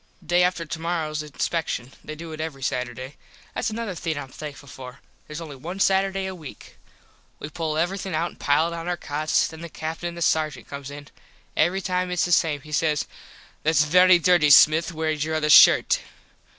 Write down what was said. Day after tomorrows inspecshun. They do it every Saturday. Thats another thing Im thankful for. Theres only one Saturday a weak. We pull everything out an pile it on our cots. Then the Captin an the Sargent comes in. Every time its the same. He says "Thats very dirty Smith wheres your other shirt."